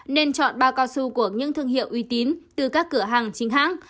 nên chọn ba cao su của những thương hiệu uy tín từ các cửa hàng chính hãng